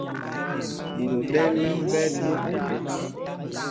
Ɓot o ɗɛ́l am ɓɛ́ ɛ́ do khubú.